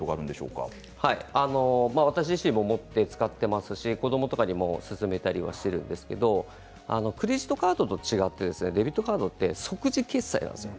私自身も持って使っていますし子どもとかにも勧めたりはしているんですけどクレジットカードと違ってデビットカードは即時決済なんですよ。